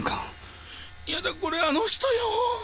ヤダこれあの人よ。